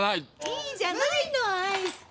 いいじゃないの愛介。